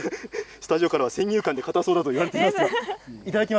スタジオから先入観でかたそうだと言われています。